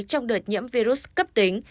trong đợt nhiễm virus cấp tính